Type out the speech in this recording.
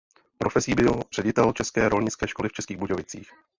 Profesí byl ředitelem české rolnické školy v Českých Budějovicích.